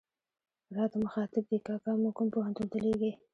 راته مخاطب دي، کاکا موږ کوم پوهنتون ته لېږې.